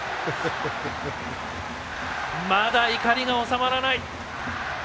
まだ怒りが収まらない。